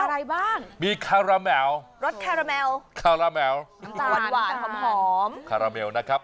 อะไรบ้างมีคาราแมวรสคาราเมลคาราแมวน้ำตาลหวานหอมหอมคาราเมลนะครับ